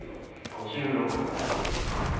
５６とかです。